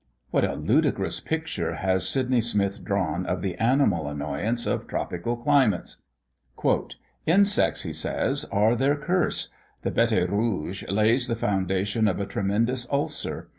What a ludicrous picture has Sydney Smith drawn of the animal annoyance of tropical climates. "Insects," he says, "are their curse. The bete rouge lays the foundation of a tremendous ulcer.